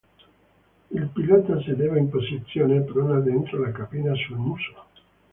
Il pilota sedeva in posizione prona dentro la cabina sul muso.